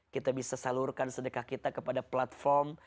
kita bisa salurkan sedekah kita kepada platform